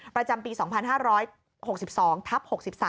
ประจำปีอันดับ๒๕๖๒๖๓